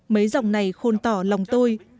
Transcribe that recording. mấy dòng này khôn tỏ lòng tôi